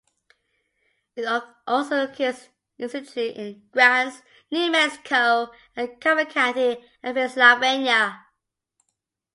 It also occurs incidentally in Grants, New Mexico and Carbon County, Pennsylvania.